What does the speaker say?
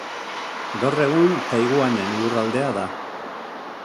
Gaur egun Taiwanen lurraldea da.